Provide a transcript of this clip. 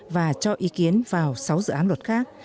và cho ý kiến vào sáu dự án luật khác